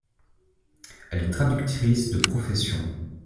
Elle est traductrice de profession.